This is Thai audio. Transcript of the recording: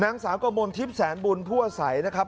นางสาวกระมนทิพย์แสนบุญพั่วใสนะครับ